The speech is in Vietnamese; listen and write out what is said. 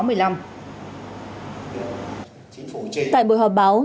tại buổi họp báo